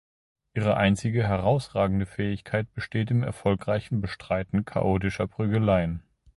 Ihre einzige herausragende Fähigkeit besteht im erfolgreichen Bestreiten chaotischer Prügeleien.